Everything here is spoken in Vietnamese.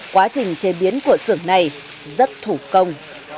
quá trình chế biến của sưởng này rất thủ công